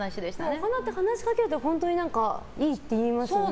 お花って話しかけるといいって言いますよね。